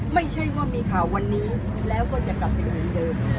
ไม่ใช่ว่ามีข่าววันนี้แล้วก็จะกลับไปเหมือนเดิม